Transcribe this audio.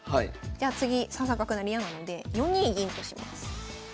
じゃあ次３三角成嫌なので４二銀とします。